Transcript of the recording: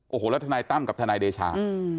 โอ้โหแล้วทนายตั้มกับทนายเดชา